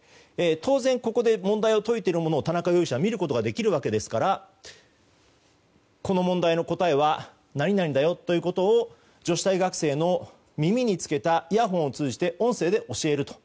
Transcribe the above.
当然、ここで問題を解いているものを田中容疑者も見ることができるわけですからこの問題の答えは何々だよということを女子大学生の耳に付けたイヤホンを通じて音声で教えると。